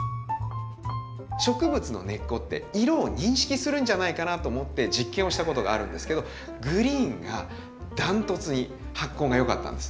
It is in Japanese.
植物の根っこって色を認識するんじゃないかなと思って実験をしたことがあるんですけどグリーンが断トツに発根がよかったんです。